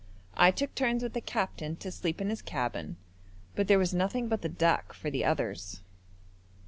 I took turns with the captain to sleep in his cabin, but there was nothing but the deck for the others.